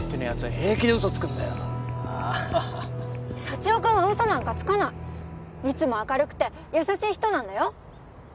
ハハハサチオくんはウソなんかつかないいつも明るくて優しい人なんだよ！